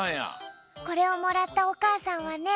これをもらったおかあさんはね